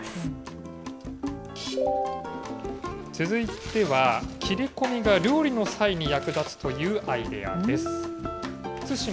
続いては、切れ込みが料理の際に役立つというアイデアです。